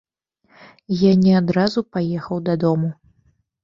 Я не адразу паехаў дадому.